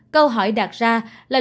câu hỏi đạt ra là liệu